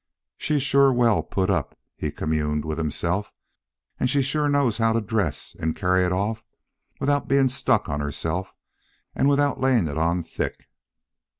"She's sure well put up," he communed with himself; "and she sure knows how to dress and carry it off without being stuck on herself and without laying it on thick."